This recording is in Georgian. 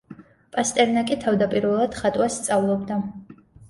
პასტერნაკი თავდაპირველად ხატვას სწავლობდა.